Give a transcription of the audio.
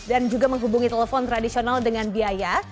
dan juga menghubungi telepon tradisional dengan biaya